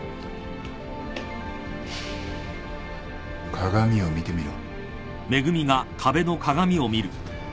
鏡を見てみろ。